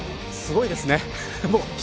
すごいですね。